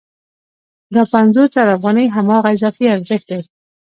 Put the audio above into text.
دا پنځوس زره افغانۍ هماغه اضافي ارزښت دی